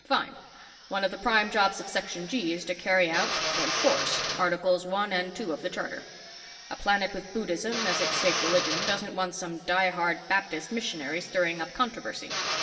"Fine. One of the prime jobs of Section G is to carry out, to enforce, Articles One and Two of the Charter. A planet with Buddhism as its state religion, doesn't want some die hard Baptist missionary stirring up controversy.